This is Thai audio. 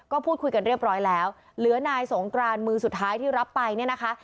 ก็พูดคุยกันเรียบร้อยแล้วเหลือนายสงกรานมือสุดท้ายที่รับไปเนี่ยนะคะ